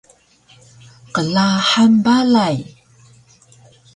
Qlahang balay!